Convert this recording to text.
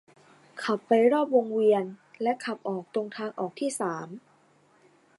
ขับไปรอบวงเวียน และขับออกตรงทางออกที่สาม